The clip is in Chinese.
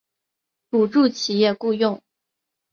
补助企业雇用